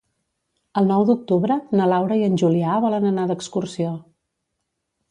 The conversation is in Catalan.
El nou d'octubre na Laura i en Julià volen anar d'excursió.